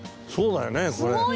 そうだよねこれ。